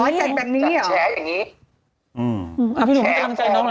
แบบนี้หรอแชร์อย่างนี้แชร์ฟอง